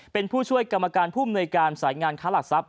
เป็นผู้ช่วยกรรมการผู้มนวยการสายงานค้าหลักทรัพย